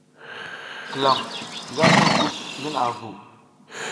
Klam nga juwa nguf ngi naʼa vu.